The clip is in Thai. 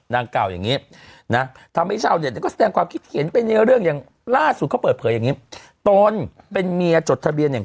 นางเก่ายังงี้นะทำให้เช้าเนี่ยนี่ก็แสดงความคิดเขียนเป็นเรื่องอย่างล่าสุดเขาเปิดเผยงี้ตนเป็นเมียจดทะเบียนแห่ง